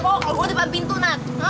oh gue depan pintu nak